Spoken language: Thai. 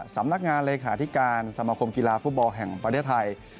สำนักงานเลขาธิการสมคมกีฬาฟุตบอลแห่งประเทศไทย